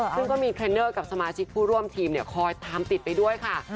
ซึ่งก็มีเทรนเนอร์กับสมาชิกผู้ร่วมทีมคอยตามติดไปด้วยค่ะ